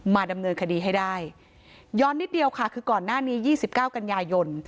ดำเนินคดีให้ได้ย้อนนิดเดียวค่ะคือก่อนหน้านี้๒๙กันยายน